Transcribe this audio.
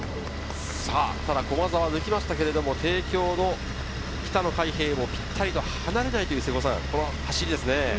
ただ駒澤抜きましたけど帝京の北野開平もぴったりと離れないという走りですね。